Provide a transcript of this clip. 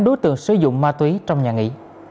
đối tượng sử dụng ma túy trong nhà nghỉ